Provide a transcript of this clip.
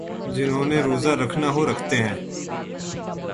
جنہوں نے روزہ رکھنا ہو رکھتے ہیں۔